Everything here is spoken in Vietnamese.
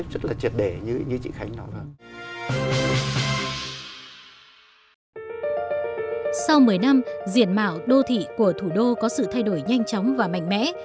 sau một mươi năm diện mạo đô thị của thủ đô có sự thay đổi nhanh chóng và mạnh mẽ